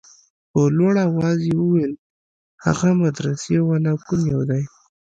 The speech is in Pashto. په لوړ اواز يې وويل هغه مدرسې والا کوم يو دى.